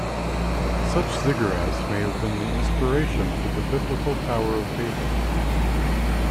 Such ziggurats may have been the inspiration for the Biblical Tower of Babel.